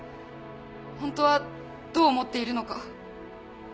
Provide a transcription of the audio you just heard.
ホントはどう思っているのか。